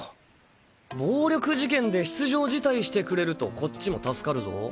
暴力事件で出場辞退してくれるとこっちも助かるぞ。